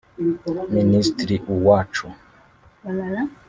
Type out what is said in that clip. Minisitiri Uwacu